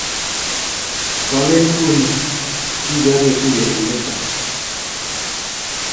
Kaleni uni kiaketuye eng' let